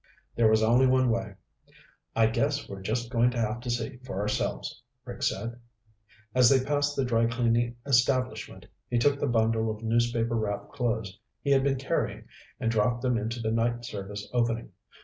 There was only one way. "I guess we're just going to have to see for ourselves," Rick said. As they passed the dry cleaning establishment, he took the bundle of newspaper wrapped clothes he had been carrying and dropped them into the night service opening.